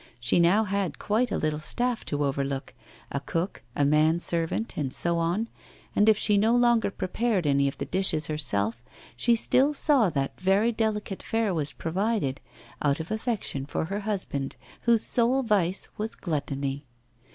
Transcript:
She now had quite a little staff to overlook, a cook, a man servant, and so on; and if she no longer prepared any of the dishes herself, she still saw that very delicate fare was provided, out of affection for her husband, whose sole vice was gluttony.